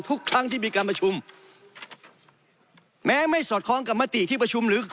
ทุกครั้งที่มีการประชุมแม้ไม่สอดคล้องกับมติที่ประชุมหรือ